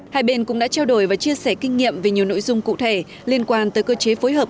hai bên cũng đã trao đổi và chia sẻ kinh nghiệm về nhiều nội dung cụ thể liên quan tới cơ chế phối hợp